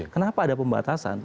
kenapa ada pembatasan